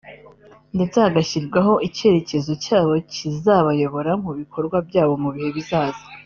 ndetse hagashyirwaho icyerekezo cyabo kizabayobora mu bikorwa byabo mu bihe bizaza